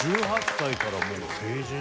１８歳からもう成人。